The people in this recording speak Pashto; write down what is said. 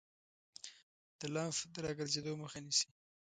د لمف د راګرځیدو مخه نیسي.